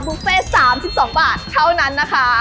บุฟเฟ่๓๒บาทเท่านั้นนะคะ